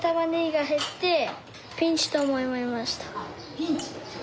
ピンチ。